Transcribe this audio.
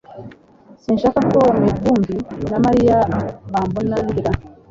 Sinshaka ko Mivumbi na Mariya bambona ndira